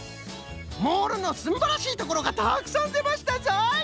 モールのすんばらしいところがたくさんでましたぞい！